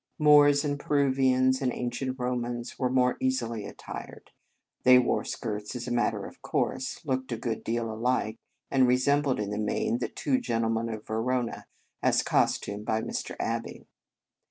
Moors, and Peruvians, and ancient Romans were more easily attired. They wore skirts as a matter of course, looked a good deal alike, and resembled in the main the " Two Gentlemen of Verona," as costumed by Mr. Abbey.